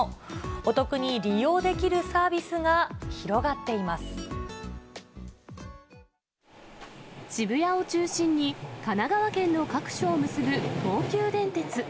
お得に利用できるサービスが広が渋谷を中心に、神奈川県の各所を結ぶ東急電鉄。